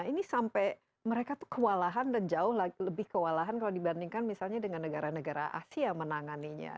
ini sampai mereka tuh kewalahan dan jauh lebih kewalahan kalau dibandingkan misalnya dengan negara negara asia menanganinya